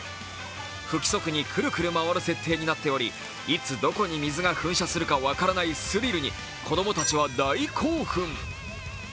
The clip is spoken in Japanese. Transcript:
不規則にくるくる回る設定になっておりいつどこに噴射するか分からないスリルに子供たちは大興奮。